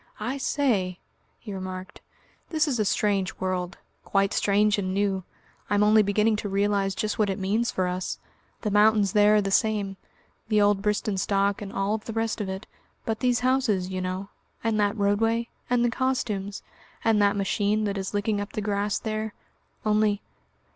"I say," he remarked; "this is a strange world quite strange and new. I'm only beginning to realise just what it means for us. The mountains there are the same, the old Bristenstock and all the rest of it; but these houses, you know, and that roadway, and the costumes, and that machine that is licking up the grass there only...."